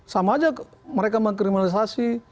sama saja mereka mengkriminalisasi